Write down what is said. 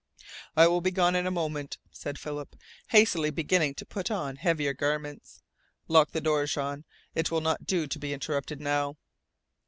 "I will be gone in a moment," said Philip, hastily beginning to put on heavier garments. "Lock the door, Jean. It will not do to be interrupted now."